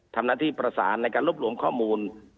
ทำหน้าที่ประสานในการรวบรวมข้อมูล